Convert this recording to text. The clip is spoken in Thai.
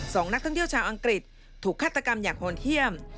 สองนักท่องเที่ยวชาวอังกฤษถูกฆาตกรรมอย่างโหดเยี่ยม